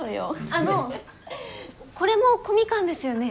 あのこれも小みかんですよね。